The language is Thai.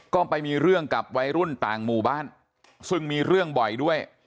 ก็ไปมีเรื่องกับวัยรุ่นต่างหมู่บ้านซึ่งมีเรื่องบ่อยด้วย